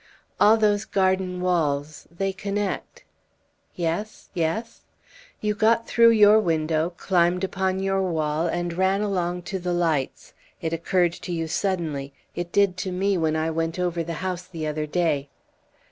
"All those garden walls they connect." "Yes? Yes?" "You got through your window, climbed upon your wall, and ran along to the lights. It occurred to you suddenly; it did to me when I went over the house the other day."